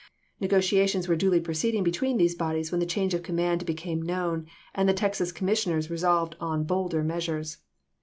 Negotiations were duly proceed ing between these bodies when the change of com mand became known, and the Texas commissioners resolved on bolder measures.